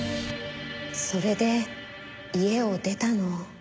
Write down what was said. それで家を出たの。